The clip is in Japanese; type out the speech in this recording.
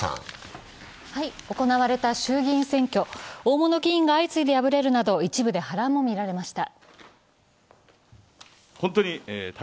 行われた衆議院選挙、大物議員が相次いで敗れるなど一部で波乱もみられました。